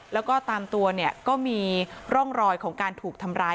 แล้วก็ตามตัวเนี่ยก็มีร่องรอยของการถูกทำร้าย